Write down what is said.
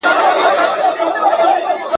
د مرګ تر ورځي دغه داستان دی !.